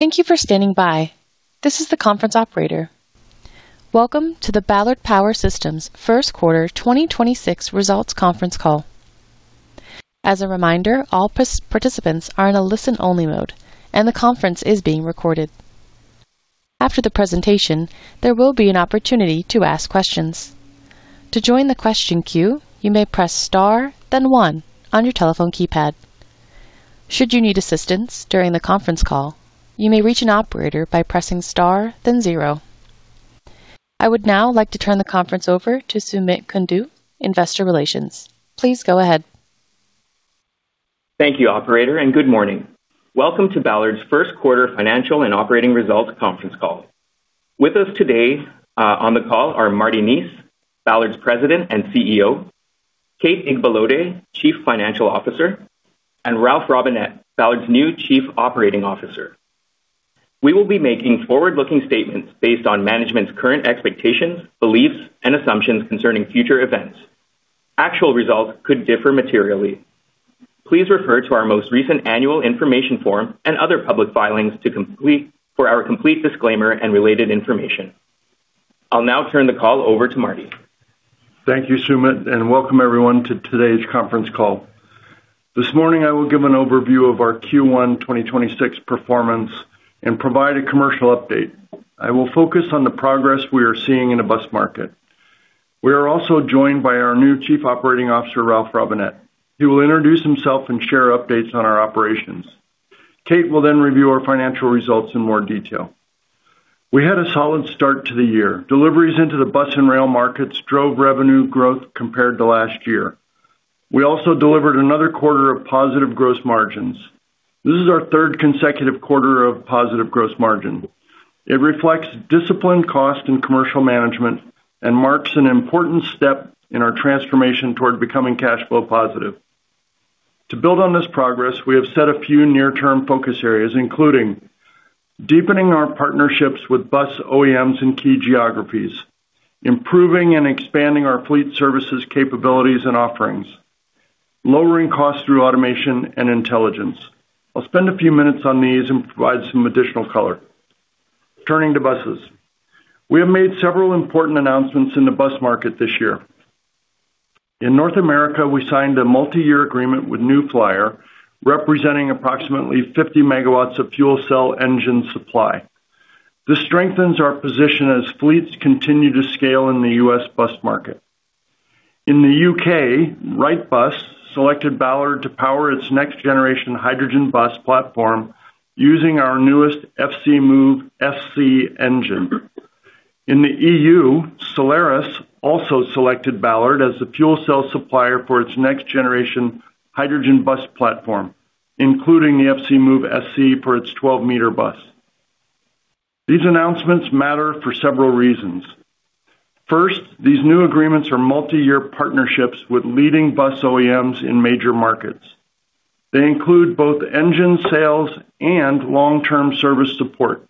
Thank you for standing by. This is the conference operator. Welcome to the Ballard Power Systems first quarter 2026 results conference call. As a reminder, all participants are in a listen-only mode, and the conference is being recorded. After the presentation, there will be an opportunity to ask questions. To join the question queue, you may press star, then one on your telephone keypad. Should you need assistance during the conference call, you may reach an operator by pressing star, then zero. I would now like to turn the conference over to Sumit Kundu, Investor Relations. Please go ahead. Thank you, operator. Good morning. Welcome to Ballard's first quarter financial and operating results conference call. With us today on the call are Marty Neese, Ballard's President and CEO, Kate Igbalode, Chief Financial Officer, and Ralph Robinett, Ballard's new Chief Operating Officer. We will be making forward-looking statements based on management's current expectations, beliefs, and assumptions concerning future events. Actual results could differ materially. Please refer to our most recent annual information form and other public filings for our complete disclaimer and related information. I'll now turn the call over to Marty. Thank you, Sumit, and welcome everyone to today's conference call. This morning, I will give an overview of our Q1 2026 performance and provide a commercial update. I will focus on the progress we are seeing in the bus market. We are also joined by our new Chief Operating Officer, Ralph Robinett. He will introduce himself and share updates on our operations. Kate will then review our financial results in more detail. We had a solid start to the year. Deliveries into the bus and rail markets drove revenue growth compared to last year. We also delivered another quarter of positive gross margins. This is our third consecutive quarter of positive gross margin. It reflects disciplined cost and commercial management and marks an important step in our transformation toward becoming cash flow positive. To build on this progress, we have set a few near-term focus areas, including deepening our partnerships with bus OEMs in key geographies, improving and expanding our Ballard Fleet Services capabilities and offerings, lowering costs through automation and intelligence. I'll spend a few minutes on these and provide some additional color. Turning to buses. We have made several important announcements in the bus market this year. In North America, we signed a multi-year agreement with New Flyer, representing approximately 50 MW of fuel cell engine supply. This strengthens our position as fleets continue to scale in the U.S. bus market. In the U.K., Wrightbus selected Ballard to power its next-generation hydrogen bus platform using our newest FCmove-SC engine. In the EU, Solaris also selected Ballard as the fuel cell supplier for its next-generation hydrogen bus platform, including the FCmove-SC for its 12-meter bus. These announcements matter for several reasons. First, these new agreements are multi-year partnerships with leading bus OEMs in major markets. They include both engine sales and long-term service support.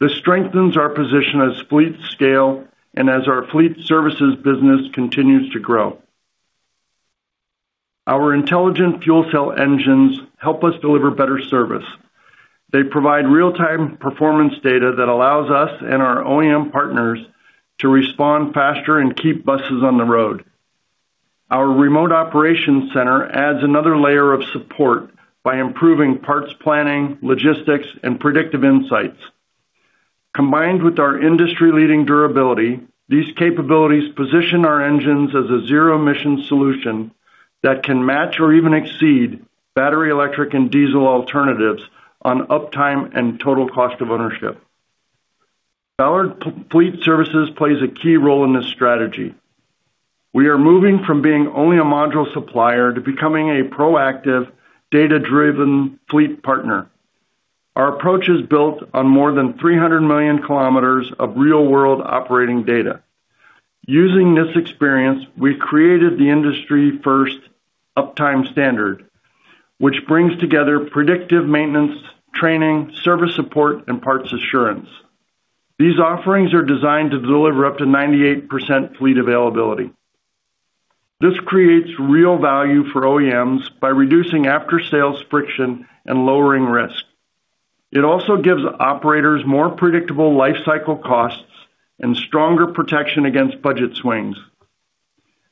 This strengthens our position as fleets scale and as our fleet services business continues to grow. Our intelligent fuel cell engines help us deliver better service. They provide real-time performance data that allows us and our OEM partners to respond faster and keep buses on the road. Our remote operations center adds another layer of support by improving parts planning, logistics, and predictive insights. Combined with our industry-leading durability, these capabilities position our engines as a zero-emission solution that can match or even exceed battery, electric, and diesel alternatives on uptime and total cost of ownership. Ballard Fleet Services plays a key role in this strategy. We are moving from being only a module supplier to becoming a proactive, data-driven fleet partner. Our approach is built on more than 300 million kilometers of real-world operating data. Using this experience, we created the industry-first uptime standard, which brings together predictive maintenance, training, service support, and parts assurance. These offerings are designed to deliver up to 98% fleet availability. This creates real value for OEMs by reducing after-sales friction and lowering risk. It also gives operators more predictable life cycle costs and stronger protection against budget swings.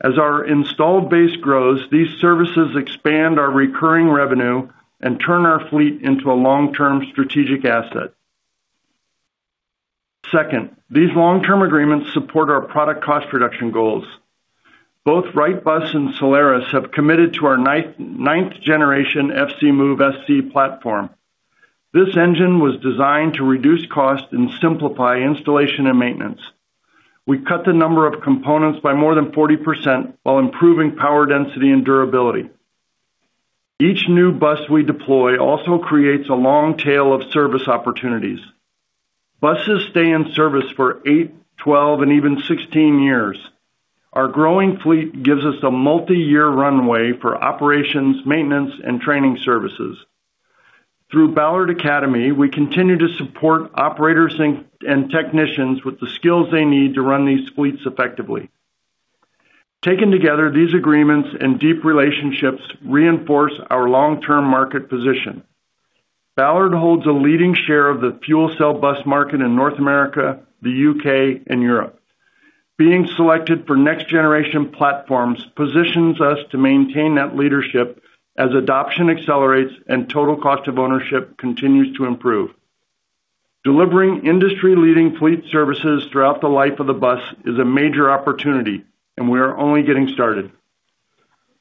As our installed base grows, these services expand our recurring revenue and turn our fleet into a long-term strategic asset. Second, these long-term agreements support our product cost reduction goals. Both Wrightbus and Solaris have committed to our ninth generation FCmove-SC platform. This engine was designed to reduce cost and simplify installation and maintenance. We cut the number of components by more than 40% while improving power density and durability. Each new bus we deploy also creates a long tail of service opportunities. Buses stay in service for eight, 12, and even 16 years. Our growing fleet gives us a multi-year runway for operations, maintenance, and training services. Through Ballard Academy, we continue to support operators and technicians with the skills they need to run these fleets effectively. Taken together, these agreements and deep relationships reinforce our long-term market position. Ballard holds a leading share of the fuel cell bus market in North America, the U.K., and Europe. Being selected for next-generation platforms positions us to maintain that leadership as adoption accelerates and total cost of ownership continues to improve. Delivering industry-leading fleet services throughout the life of the bus is a major opportunity, and we are only getting started.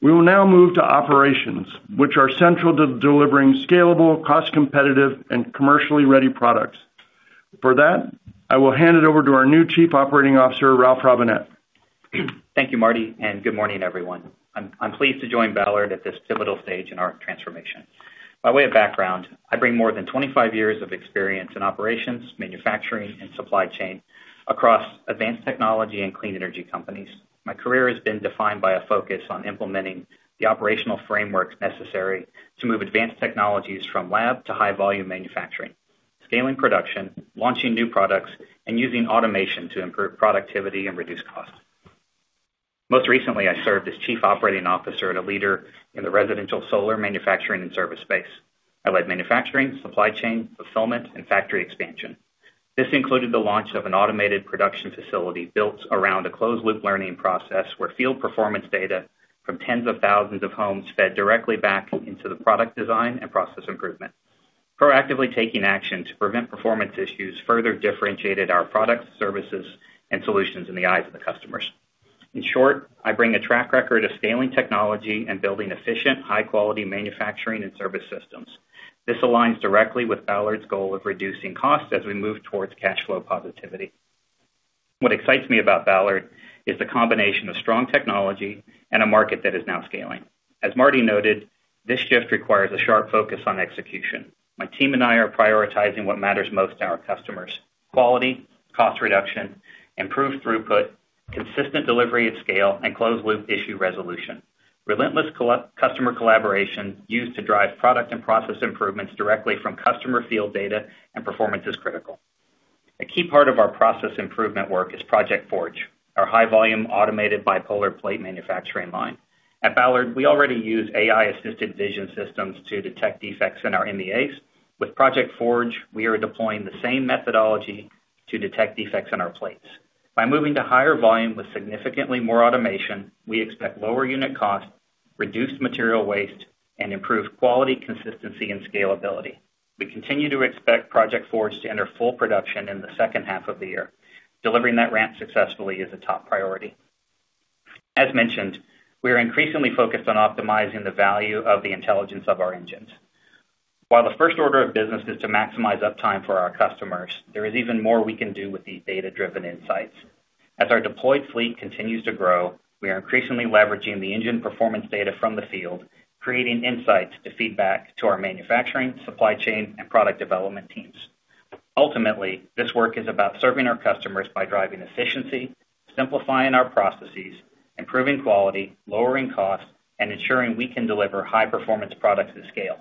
We will now move to operations, which are central to delivering scalable, cost-competitive, and commercially ready products. For that, I will hand it over to our new Chief Operating Officer, Ralph Robinett. Thank you, Marty. Good morning, everyone. I'm pleased to join Ballard at this pivotal stage in our transformation. By way of background, I bring more than 25 years of experience in operations, manufacturing, and supply chain across advanced technology and clean energy companies. My career has been defined by a focus on implementing the operational frameworks necessary to move advanced technologies from lab to high-volume manufacturing, scaling production, launching new products, and using automation to improve productivity and reduce costs. Most recently, I served as Chief Operating Officer and a leader in the residential solar manufacturing and service space. I led manufacturing, supply chain, fulfillment, and factory expansion. This included the launch of an automated production facility built around a closed loop learning process where field performance data from tens of thousands of homes fed directly back into the product design and process improvement. Proactively taking action to prevent performance issues further differentiated our products, services, and solutions in the eyes of the customers. In short, I bring a track record of scaling technology and building efficient, high-quality manufacturing and service systems. This aligns directly with Ballard's goal of reducing costs as we move towards cash flow positivity. What excites me about Ballard is the combination of strong technology and a market that is now scaling. As Marty noted, this shift requires a sharp focus on execution. My team and I are prioritizing what matters most to our customers. Quality, cost reduction, improved throughput, consistent delivery at scale, and closed loop issue resolution. Relentless customer collaboration used to drive product and process improvements directly from customer field data and performance is critical. A key part of our process improvement work is Project Forge, our high-volume automated bipolar plate manufacturing line. At Ballard, we already use AI-assisted vision systems to detect defects in our MEAs. With Project Forge, we are deploying the same methodology to detect defects in our plates. By moving to higher volume with significantly more automation, we expect lower unit cost, reduced material waste, and improved quality, consistency, and scalability. We continue to expect Project Forge to enter full production in the second half of the year. Delivering that ramp successfully is a top priority. As mentioned, we are increasingly focused on optimizing the value of the intelligence of our engines. While the first order of business is to maximize uptime for our customers, there is even more we can do with these data-driven insights. As our deployed fleet continues to grow, we are increasingly leveraging the engine performance data from the field, creating insights to feed back to our manufacturing, supply chain, and product development teams. Ultimately, this work is about serving our customers by driving efficiency, simplifying our processes, improving quality, lowering costs, and ensuring we can deliver high-performance products at scale.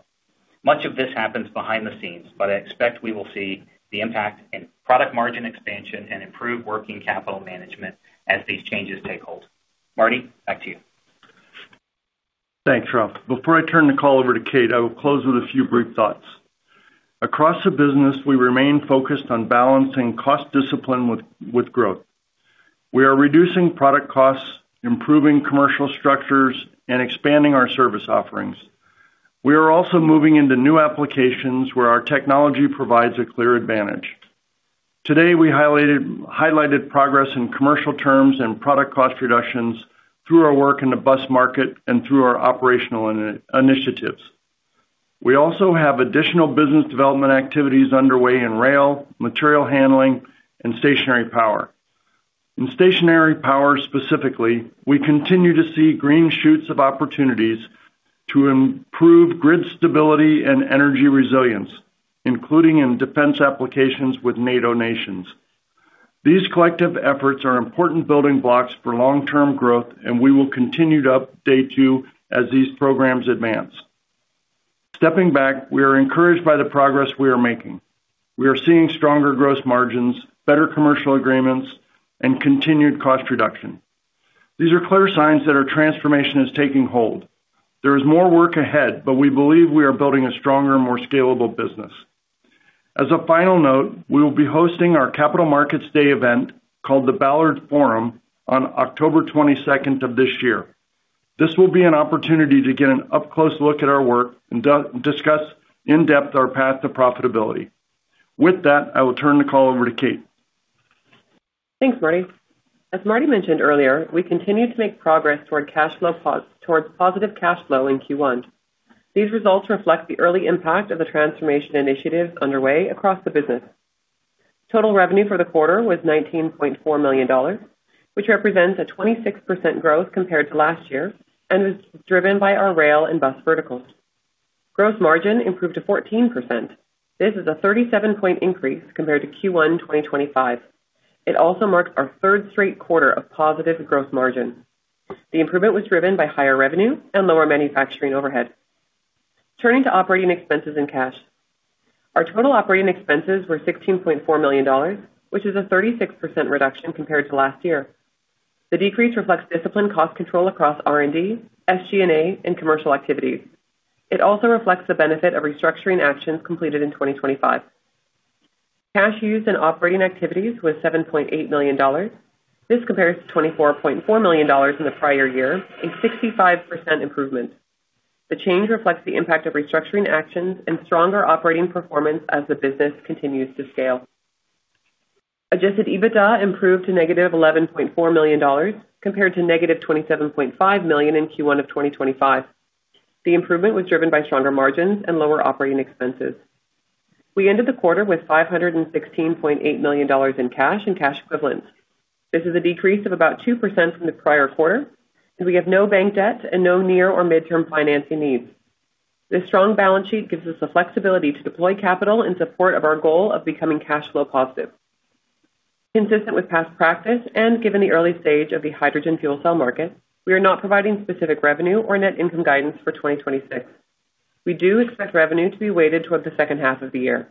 Much of this happens behind the scenes, but I expect we will see the impact in product margin expansion and improved working capital management as these changes take hold. Marty, back to you. Thanks, Ralph. Before I turn the call over to Kate, I will close with a few brief thoughts. Across the business, we remain focused on balancing cost discipline with growth. We are reducing product costs, improving commercial structures, and expanding our service offerings. We are also moving into new applications where our technology provides a clear advantage. Today, we highlighted progress in commercial terms and product cost reductions through our work in the bus market and through our operational initiatives. We also have additional business development activities underway in rail, material handling, and stationary power. In stationary power specifically, we continue to see green shoots of opportunities to improve grid stability and energy resilience, including in defense applications with NATO nations. These collective efforts are important building blocks for long-term growth. We will continue to update you as these programs advance. Stepping back, we are encouraged by the progress we are making. We are seeing stronger gross margins, better commercial agreements, and continued cost reduction. These are clear signs that our transformation is taking hold. There is more work ahead, but we believe we are building a stronger, more scalable business. As a final note, we will be hosting our Capital Markets Day event, called the Ballard Forum, on October 22nd of this year. This will be an opportunity to get an up close look at our work and discuss in depth our path to profitability. With that, I will turn the call over to Kate. Thanks, Marty. As Marty mentioned earlier, we continue to make progress toward positive cash flow in Q1. These results reflect the early impact of the transformation initiatives underway across the business. Total revenue for the quarter was $19.4 million, which represents a 26% growth compared to last year and is driven by our rail and bus verticals. Gross margin improved to 14%. This is a 37 point increase compared to Q1 2025. It also marked our third straight quarter of positive growth margin. The improvement was driven by higher revenue and lower manufacturing overhead. Turning to operating expenses and cash. Our total operating expenses were $16.4 million, which is a 36% reduction compared to last year. The decrease reflects disciplined cost control across R&D, SG&A, and commercial activities. It also reflects the benefit of restructuring actions completed in 2025. Cash used in operating activities was $7.8 million. This compares to $24.4 million in the prior year, a 65% improvement. The change reflects the impact of restructuring actions and stronger operating performance as the business continues to scale. Adjusted EBITDA improved to $-11.4 million compared to $-27.5 million in Q1 of 2025. The improvement was driven by stronger margins and lower operating expenses. We ended the quarter with $516.8 million in cash and cash equivalents. This is a decrease of about 2% from the prior quarter, and we have no bank debt and no near or mid-term financing needs. This strong balance sheet gives us the flexibility to deploy capital in support of our goal of becoming cash flow positive. Consistent with past practice and given the early stage of the hydrogen fuel cell market, we are not providing specific revenue or net income guidance for 2026. We do expect revenue to be weighted towards the second half of the year.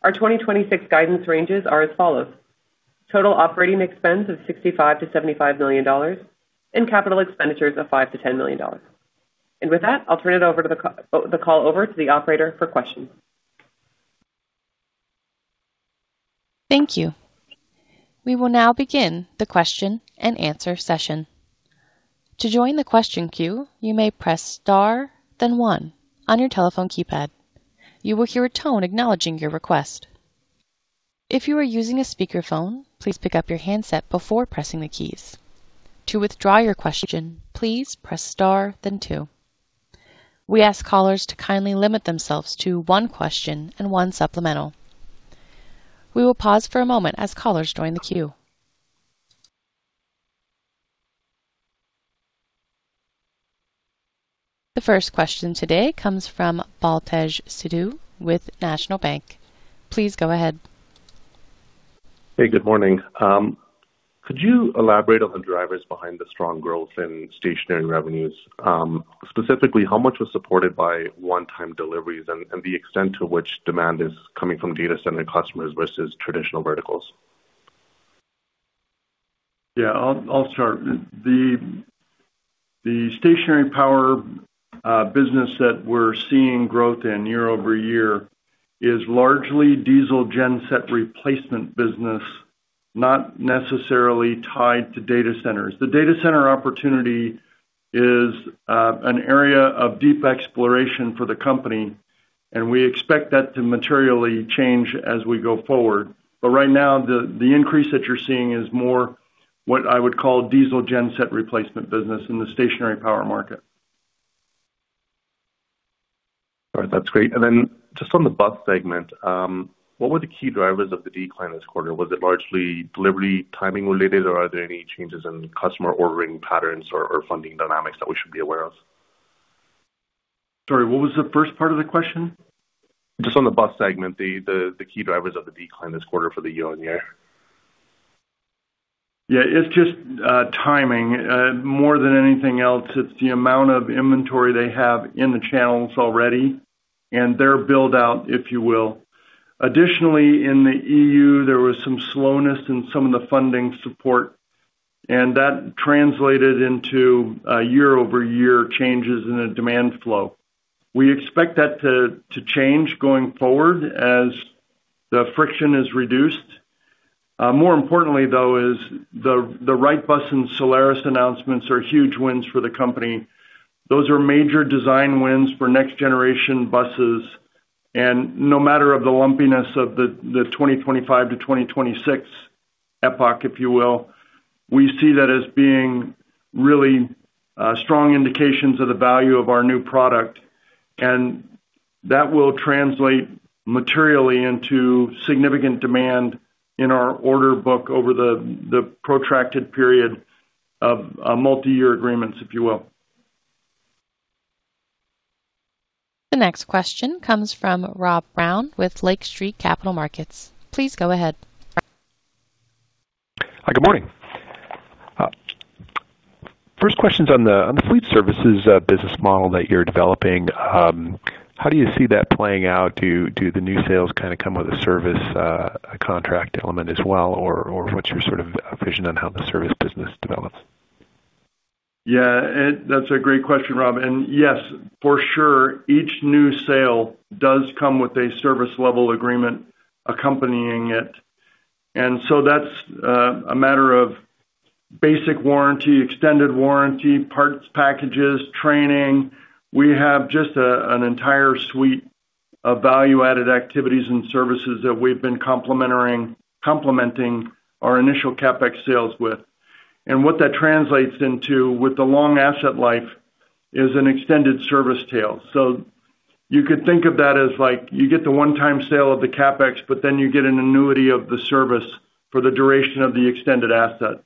Our 2026 guidance ranges are as follows: total operating expense of $65 million-$75 million and capital expenditures of $5 million-$10 million. With that, I'll turn the call over to the operator for questions. Thank you. We will now begin the question-and-answer session. To join the question queue, you may press star, then one on your telephone keypad. You will hear a tone acknowledging your request. If you are using a speakerphone, please pick up your handset before pressing the keys. To withdraw your question, please press star then two. We ask callers to kindly limit themselves to one question and one supplemental. We will pause for a moment as callers join the queue. The first question today comes from Baltej Sidhu with National Bank. Please go ahead. Good morning. Could you elaborate on the drivers behind the strong growth in stationary revenues? Specifically, how much was supported by one-time deliveries and the extent to which demand is coming from data center customers versus traditional verticals? I'll start. The stationary power business that we're seeing growth in year-over-year is largely diesel genset replacement business, not necessarily tied to data centers. The data center opportunity is an area of deep exploration for the company, and we expect that to materially change as we go forward. Right now, the increase that you're seeing is more what I would call diesel genset replacement business in the stationary power market. All right. That's great. Just on the bus segment, what were the key drivers of the decline this quarter? Was it largely delivery timing related, or are there any changes in customer ordering patterns or funding dynamics that we should be aware of? Sorry, what was the first part of the question? Just on the bus segment, the key drivers of the decline this quarter for the year-on-year. It's just timing. More than anything else, it's the amount of inventory they have in the channels already and their build out, if you will. Additionally, in the EU, there was some slowness in some of the funding support, and that translated into year-over-year changes in the demand flow. We expect that to change going forward as the friction is reduced. More importantly, though, is the Wrightbus and Solaris announcements are huge wins for the company. Those are major design wins for next-generation buses. No matter of the lumpiness of the 2025 to 2026 epoch, if you will, we see that as being really strong indications of the value of our new product, and that will translate materially into significant demand in our order book over the protracted period of multi-year agreements, if you will. The next question comes from Rob Brown with Lake Street Capital Markets. Please go ahead. Hi, good morning. First question's on the fleet services business model that you're developing. How do you see that playing out? Do the new sales kind of come with a service contract element as well? What's your sort of vision on how the service business develops? Yeah. That's a great question, Rob. Yes, for sure, each new sale does come with a service level agreement accompanying it. That's a matter of basic warranty, extended warranty, parts packages, training. We have just an entire suite of value-added activities and services that we've been complementing our initial CapEx sales with. What that translates into with the long asset life is an extended service tail. You could think of that as like you get the one-time sale of the CapEx, but then you get an annuity of the service for the duration of the extended asset.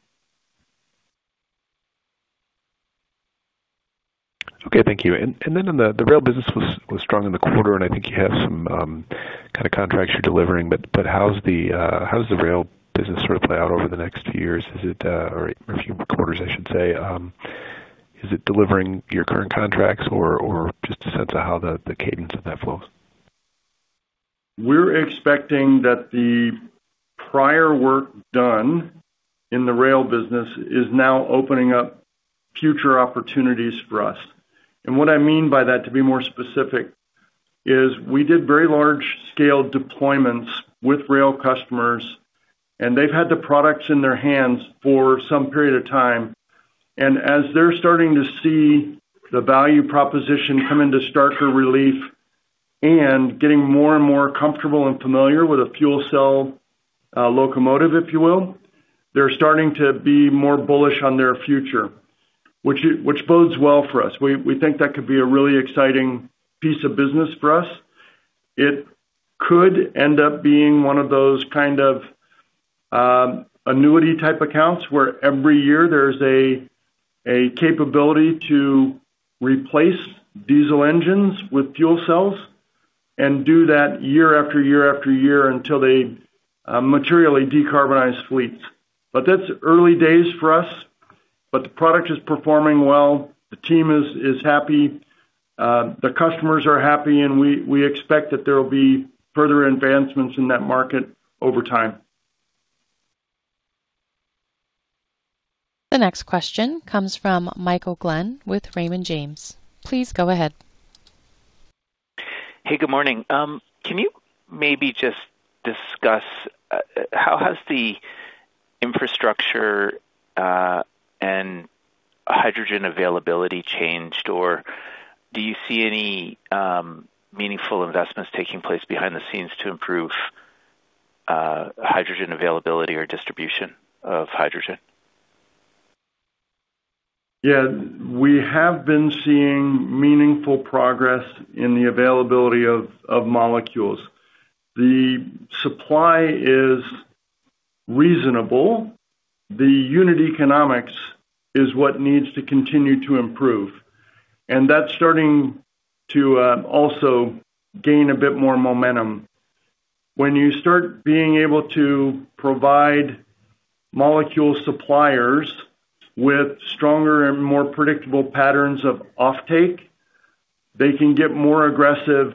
Thank you. Then on the rail business was strong in the quarter, and I think you have some kind of contracts you're delivering, but how's the rail business sort of play out over the next few years? Is it or a few quarters, I should say. Is it delivering your current contracts or just a sense of how the cadence of that flows? We're expecting that the prior work done in the rail business is now opening up future opportunities for us. What I mean by that, to be more specific, is we did very large-scale deployments with rail customers, and they've had the products in their hands for some period of time. As they're starting to see the value proposition come into starker relief and getting more and more comfortable and familiar with a fuel cell locomotive, if you will, they're starting to be more bullish on their future, which bodes well for us. We think that could be a really exciting piece of business for us. It could end up being one of those kind of annuity type accounts, where every year there's a capability to replace diesel engines with fuel cells and do that year after year after year until they materially decarbonize fleets. That's early days for us, but the product is performing well, the team is happy, the customers are happy, and we expect that there will be further advancements in that market over time. The next question comes from Michael Glen with Raymond James. Please go ahead. Hey, good morning. Can you maybe just discuss how has the infrastructure and hydrogen availability changed? Do you see any meaningful investments taking place behind the scenes to improve hydrogen availability or distribution of hydrogen? We have been seeing meaningful progress in the availability of molecules. The supply is reasonable. The unit economics is what needs to continue to improve, and that's starting to also gain a bit more momentum. When you start being able to provide molecule suppliers with stronger and more predictable patterns of offtake, they can get more aggressive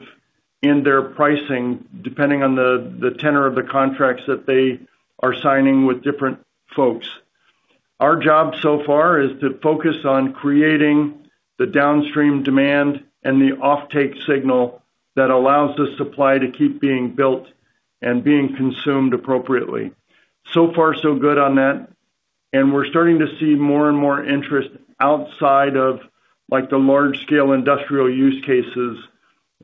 in their pricing depending on the tenor of the contracts that they are signing with different folks. Our job so far is to focus on creating the downstream demand and the offtake signal that allows the supply to keep being built and being consumed appropriately. So far, so good on that, and we're starting to see more and more interest outside of, like, the large scale industrial use cases,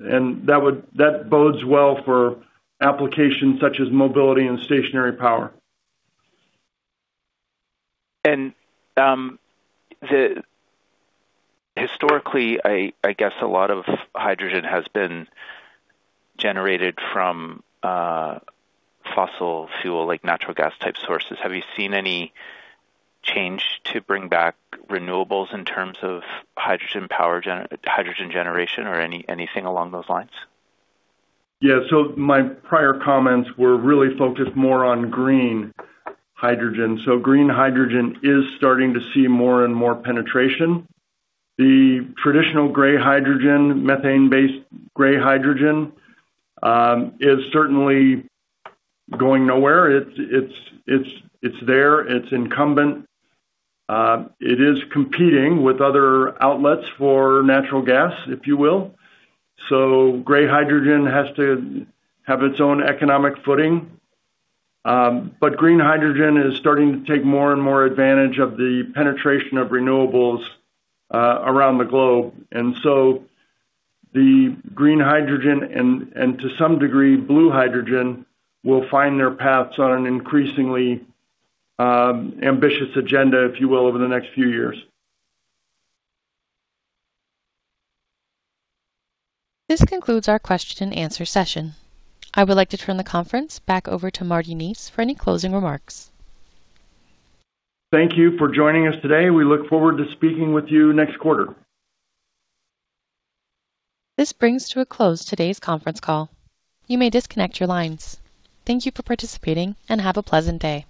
and that bodes well for applications such as mobility and stationary power. Historically, I guess a lot of hydrogen has been generated from fossil fuel, like natural gas type sources. Have you seen any change to bring back renewables in terms of hydrogen generation or anything along those lines? Yeah. My prior comments were really focused more on green hydrogen. Green hydrogen is starting to see more and more penetration. The traditional gray hydrogen, methane-based gray hydrogen, is certainly going nowhere. It's there, it's incumbent. It is competing with other outlets for natural gas, if you will. Gray hydrogen has to have its own economic footing. But green hydrogen is starting to take more and more advantage of the penetration of renewables around the globe. The green hydrogen and to some degree blue hydrogen, will find their paths on an increasingly ambitious agenda, if you will, over the next few years. This concludes our question-and-answer session. I would like to turn the conference back over to Marty Neese for any closing remarks. Thank you for joining us today. We look forward to speaking with you next quarter. This brings to a close today's conference call. You may disconnect your lines. Thank you for participating, and have a pleasant day.